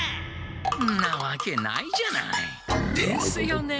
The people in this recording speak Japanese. んなわけないじゃない。ですよね。